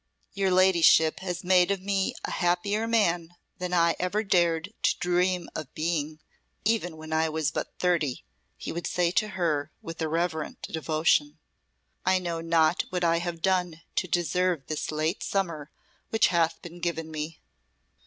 "Your ladyship has made of me a happier man than I ever dared to dream of being, even when I was but thirty," he would say to her, with reverent devotion. "I know not what I have done to deserve this late summer which hath been given me."